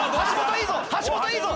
橋本いいぞ！